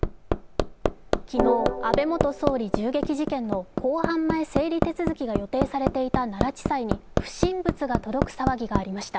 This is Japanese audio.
昨日、安倍元総理銃撃事件の公判前整理手続が予定されていた奈良地裁に不審物が届く騒ぎがありました。